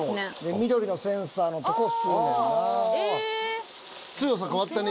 緑のセンサーのとこ吸うねんな。